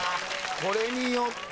これによって。